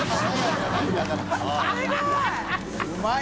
すごい！